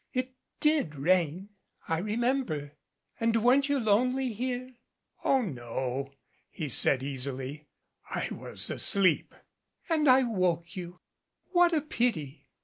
It did rain. I remember. And weren't you lonely here?" "Oh, no," he said easily, "I was asleep." "And I woke you. What a pity